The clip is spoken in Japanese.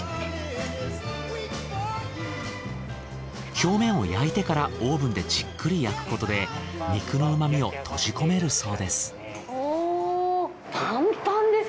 表面を焼いてからオーブンでじっくり焼くことで肉の旨みを閉じ込めるそうです。